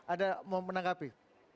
ada yang mau menangkapi